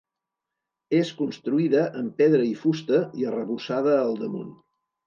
És construïda amb pedra i fusta i arrebossada al damunt.